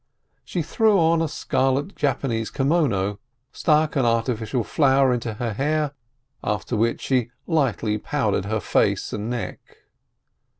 She threw on a scarlet Japanese kimono, and stuck an artificial flower into her hair, after which she lightly powdered her face and neck.